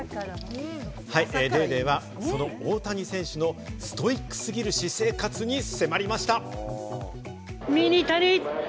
『ＤａｙＤａｙ．』は、その大谷選手のストイックすぎる私生活に迫りました。